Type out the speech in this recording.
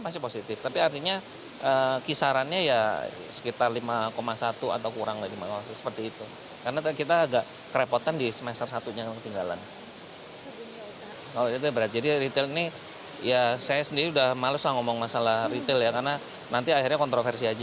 jadi retail ini saya sendiri sudah males ngomong masalah retail ya karena nanti akhirnya kontroversi saja